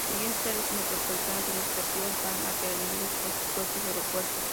Las siguientes áreas metropolitanas significativas, están atendidas por sus propios aeropuertos.